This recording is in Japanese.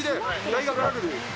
大学ラグビー。